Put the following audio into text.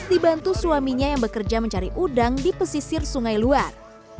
di jawa pernabe pada tahun dua ribu lima belas dibantu suaminya yang bekerja mencari udang di pesisir sungai luar